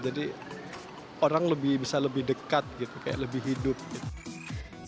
jadi orang bisa lebih dekat gitu kayak lebih hidup gitu